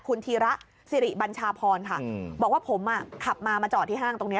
คุณธีระสิริบัญชาพรค่ะบอกว่าผมอ่ะขับมามาจอดที่ห้างตรงนี้